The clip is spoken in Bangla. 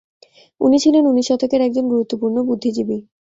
উনি ছিলেন উনিশ শতকের একজন গুরুত্বপূর্ন বুদ্ধিজীবি!